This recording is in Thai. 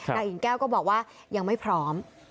อิ่งแก้วก็บอกว่ายังไม่พร้อม